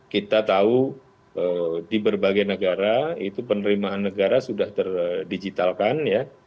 kita tahu di berbagai negara itu penerimaan negara sudah terdigitalkan ya